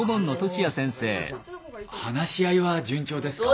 あの話し合いは順調ですか？